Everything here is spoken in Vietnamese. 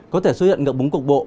có thể xuất hiện ngược búng cục bộ